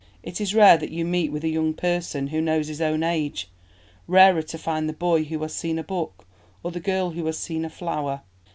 It is rare that you meet with a young person who knows his own age; rarer to find the boy who has seen a book, or the girl who has seen a flower.